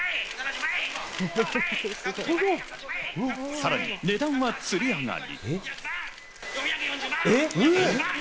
さらに値段はつり上がり。